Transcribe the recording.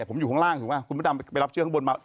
ผมอยู่ข้างล่างคุณมดดำไปรับเชื้อข้างบน